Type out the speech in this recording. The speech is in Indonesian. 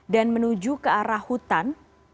dan menuju ke arah hutan